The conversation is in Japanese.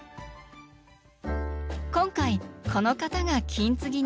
今回この方が金継ぎに初挑戦！